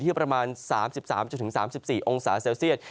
ที่ประมาณ๓๓๔องศาเซลเซียต